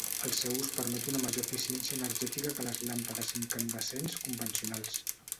El seu ús permet una major eficiència energètica que les làmpades incandescents convencionals.